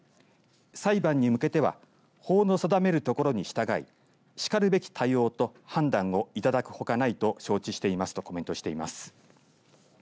裁判に向けては法の定めるところに従いしかるべき対応と判断をいただくほかないと承知していますとコメントしています。